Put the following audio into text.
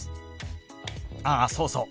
あっそうそう。